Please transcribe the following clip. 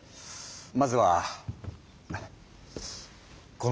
まずはこの方。